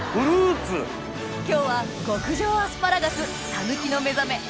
今日は極上アスパラガス「さぬきのめざめ」